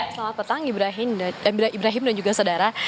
selamat petang ibrahim dan juga saudara